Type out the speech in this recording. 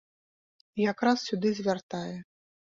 І якраз сюды звяртае.